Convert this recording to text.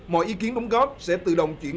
mọi ý kiến bóng góp sẽ tự động chuyển